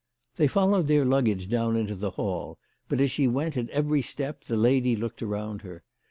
They followed their luggage down into the hall ; but as she went, at every step, the lady looked around her.